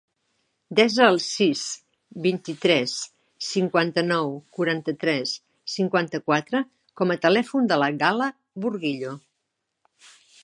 Desa el sis, vint-i-tres, cinquanta-nou, quaranta-tres, cinquanta-quatre com a telèfon de la Gal·la Burguillo.